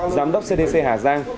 giám đốc cdc hà giang